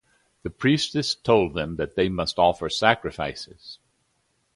The priestess told them that they must offer sacrifices.